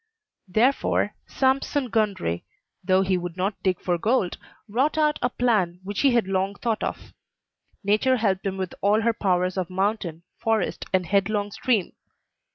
Therefore Sampson Gundry, though he would not dig for gold, wrought out a plan which he had long thought of. Nature helped him with all her powers of mountain, forest, and headlong stream.